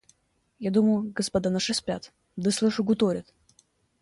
Я думал, господа наши спят, да слышу гуторят.